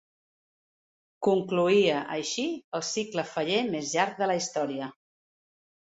Concloïa així el cicle faller més llarg de la història.